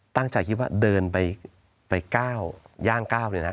ตั้งใจคิดว่าเดินไปก้าวย่างก้าวเลยนะ